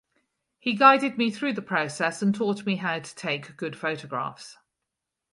He guided me through the process and taught me how to take good photographs.